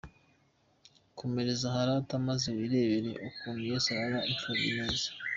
Komereza aho rata maze wirebere ukuntu Yesu arera Imfubyi neza.